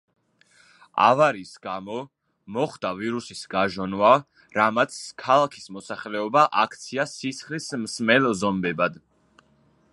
ავარიის გამო, მოხდა ვირუსის გაჟონვა, რამაც ქალაქის მოსახლეობა აქცია სისხლის მსმელ ზომბებად.